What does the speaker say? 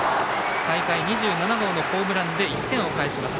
大会２７号のホームランで１点を返します。